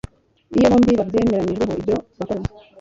iyo bombi babyemeranyijeho ibyo bakora